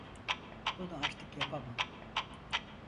Bunu artık yapamam.